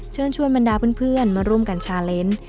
เชิญชวนบรรดาเพื่อนมาร่วมกันชาเลนส์